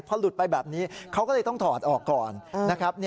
พอหลุดไปแบบนี้เขาก็เลยต้องถอดออกก่อนนะครับ